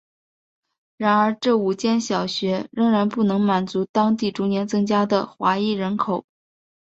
然而这五间小学仍然不能满足当地逐年增加的华裔人口。